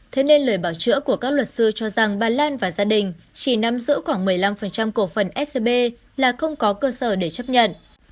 thế nên lời bảo chữa của các luật sư cho rằng bà lan và gia đình chỉ nắm giữ khoảng một mươi năm cổ phần scb là không có cơ sở để chấp nhận